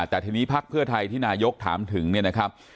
แต่ทีนี้พักเพื่อไทยที่นายกถามถึงเนี่ยนะครับ